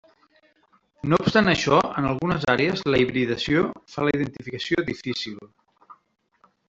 No obstant això, en algunes àrees la hibridació fa la identificació difícil.